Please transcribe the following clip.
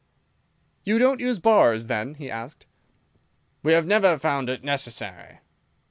"You don't use bars, then?" he asked. "We have never found it necessary."